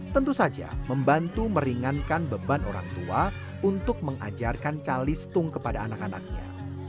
tentu saja membantu meringankan beban orang tua untuk mengajarkan calistung kepada anak anaknya